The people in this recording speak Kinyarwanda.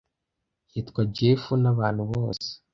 Yitwa Jeff nabantu bose.